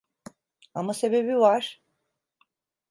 Ama sebebi var.